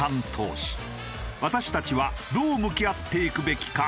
私たちはどう向き合っていくべきか